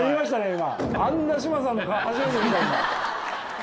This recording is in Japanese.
今。